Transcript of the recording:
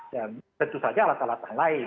dan tentu saja alat alatan lain